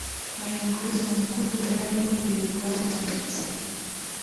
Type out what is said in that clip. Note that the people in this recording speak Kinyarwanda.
nka Young Grace ubona ko urwego yari ariho mbere rwazamutse